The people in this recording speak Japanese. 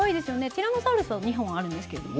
ティラノサウルスは２本あるんですけれどもね。